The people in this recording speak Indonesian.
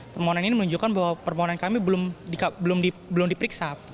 permohonan ini menunjukkan bahwa permohonan kami belum diperiksa